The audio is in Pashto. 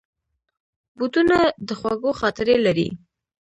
بوټونه د خوږو خاطرې لري.